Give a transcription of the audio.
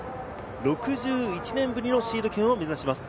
６１年ぶりのシード権を目指します。